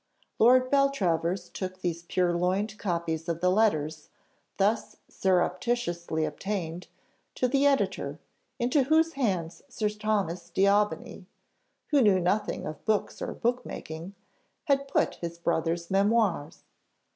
Lord Beltravers took these purloined copies of the letters, thus surreptitiously obtained, to the editor, into whose hands Sir Thomas D'Aubigny (who knew nothing of books or book making) had put his brother's memoirs.